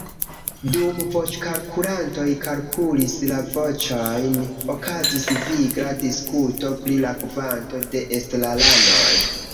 Dum voĉkalkulantoj kalkulis la voĉojn, okazis vigla diskuto pri la kvanto de estraranoj.